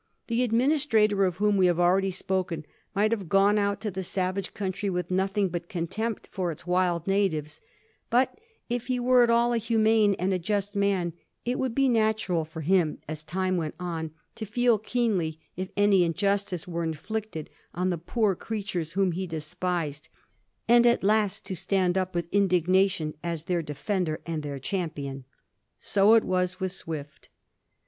The administrator of whom Digiti zed by Google 320 A HISTORY OF THE FOUR GEORGES. ch. xy. we have already spoken might have gone out to the savage country with nothing but contempt for its wild natives, but if he were at all a humane and a just man, it would be natural for him as time went on to feel keenly if any injustice were inflicted on the poor creatures whom he despised, and at last to stand up with indignation as their defender and their champion. So it was with Swift.